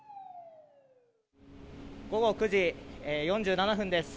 午後９時４７分です。